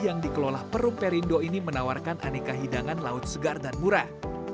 yang dikelola perum perindo ini menawarkan aneka hidangan laut segar dan murah